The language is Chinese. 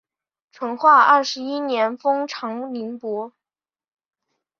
成化二十一年封长宁伯。